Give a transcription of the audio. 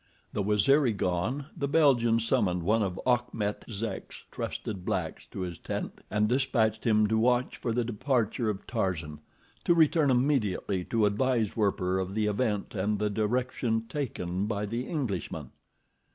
The Waziri gone, the Belgian summoned one of Achmet Zek's trusted blacks to his tent, and dispatched him to watch for the departure of Tarzan, returning immediately to advise Werper of the event and the direction taken by the Englishman.